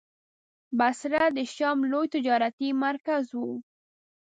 بصره د شام لوی تجارتي مرکز و.